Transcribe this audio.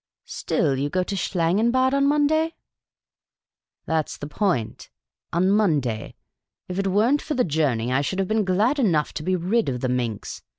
" Still, 3'ou go to Schlangenbad on Monday ?"" That 's the point. On Monday. If it were n't for the The Cantankerous Old Lady 9 journe)', I should have been glad enough to be rid of the minx.